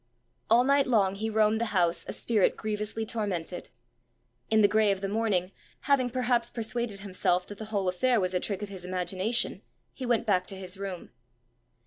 All night long he roamed the house a spirit grievously tormented. In the gray of the morning, having perhaps persuaded himself that the whole affair was a trick of his imagination, he went back to his room.